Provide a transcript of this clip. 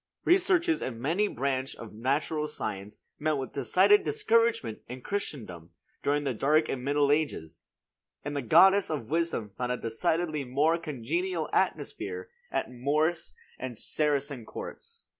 Researches in any branch of natural science met with decided discouragement in Christendom during the dark and middle ages; and the goddess of wisdom found a decidedly more congenial atmosphere at Moorish and Saracen courts.